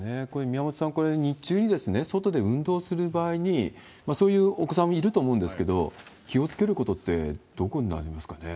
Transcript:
宮本さん、これ、日中に外で運動する場合に、そういうお子さんもいると思うんですけど、気をつけることってどこになるんですかね？